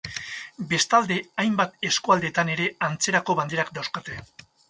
Bestalde, hainbat eskualdetan ere antzerako banderak dauzkate.